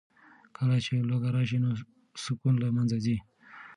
کله چې لوږه راشي نو سکون له منځه ځي.